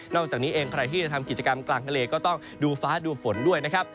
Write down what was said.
อกจากนี้เองใครที่จะทำกิจกรรมกลางทะเลก็ต้องดูฟ้าดูฝนด้วยนะครับ